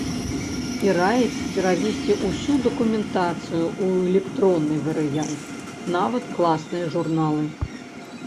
І раіць перавесці ўсю дакументацыю ў электронны варыянт, нават класныя журналы.